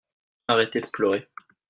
Arrêter de pleurer.